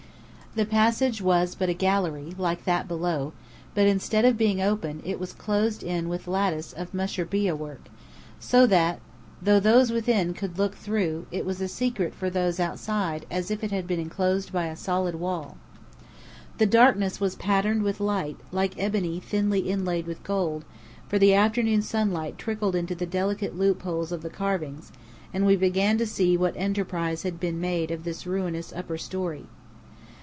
The passage was but a gallery, like that below, but instead of being open, it was closed in with lattice of mushrbiyeh work, so that, though those within could look through, it was as secret for those outside as if it had been enclosed by a solid wall. The darkness was patterned with light, like ebony thinly inlaid with gold, for the afternoon sunlight trickled into the delicate loopholes of the carvings, and we began to see what Enterprise had made of this ruinous upper story.